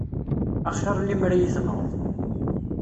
A xir lemmer ad i-tenɣeḍ.